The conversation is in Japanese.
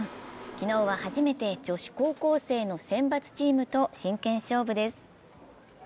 昨日は初めて女子高校生の選抜チームと真剣勝負です。